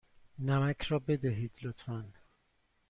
نمک را بدهید، لطفا.